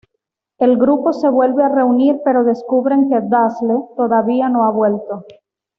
El grupo se vuelve a reunir pero descubren que Dazzle todavía no ha vuelto.